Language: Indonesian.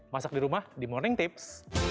masak di rumah di morning tips